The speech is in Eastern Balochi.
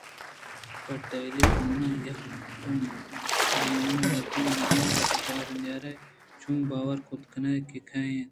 پہ ٹیلی فون ءَکہ تو دیم ءِ مردم ءَ نہ گندے ءُپجاہ نیارے چون باور کُت کنئے کہ کئے اِنت ءُ